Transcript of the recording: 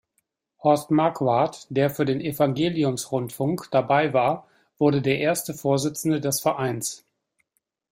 Horst Marquardt, der für den Evangeliums-Rundfunk dabei war, wurde der erste Vorsitzende des Vereins.